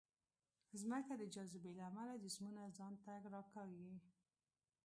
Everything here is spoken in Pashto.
ځمکه د جاذبې له امله جسمونه ځان ته راکاږي.